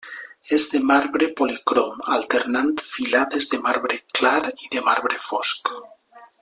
És de marbre policrom, alternant filades de marbre clar i de marbre fosc.